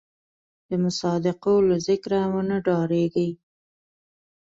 د مصادقو له ذکره ونه ډارېږي.